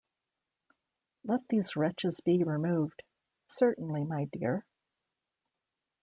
'Let these wretches be removed.’ ‘Certainly, my dear'.